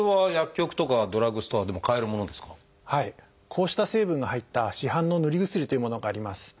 こうした成分が入った市販のぬり薬というものがあります。